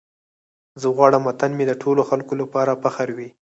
زه غواړم وطن مې د ټولو خلکو لپاره فخر وي.